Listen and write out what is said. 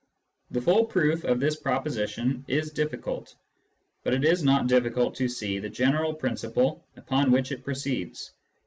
The full proof of this proposition is difficult, but it is not difficult to see the general principle upon which it proceeds.